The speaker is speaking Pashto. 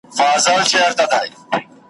له هر درده سره مل وي سپېلنی پکښی پیدا کړي `